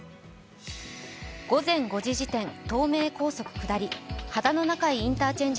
午前５時時点、東名高速下り秦野中井インターチェンジ